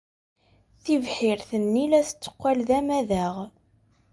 Tibḥirt-nni la tetteqqal d amadaɣ.